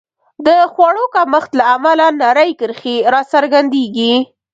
د خوړو کمښت له امله نرۍ کرښې راڅرګندېږي.